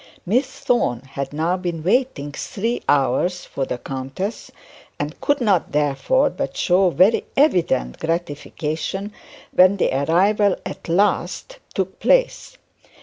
Miss Thorne had now been waiting three hours for the countess, and could not therefore but show very evident gratification when the arrival at last took place.